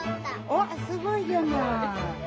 おっすごいじゃない。